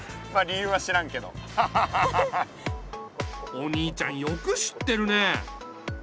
お兄ちゃんよく知ってるね。